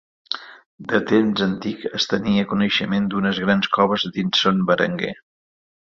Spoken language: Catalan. De temps antic es tenia coneixement d'unes grans coves dins Son Berenguer.